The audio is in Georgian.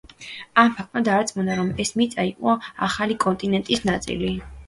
ამ ფაქტმა დაარწმუნა, რომ ეს მიწა იყო ახალი კონტინენტის ნაწილი.